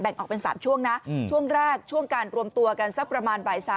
แบ่งออกเป็น๓ช่วงหน้าช่วงแรกช่วงการรวมตัวกันเชอะกระมาณไบ๓